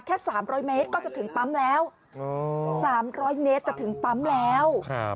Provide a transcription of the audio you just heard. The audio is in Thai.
แค่๓๐๐เมตรก็จะถึงปั๊มแล้ว